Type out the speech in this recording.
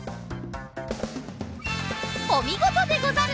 おみごとでござる！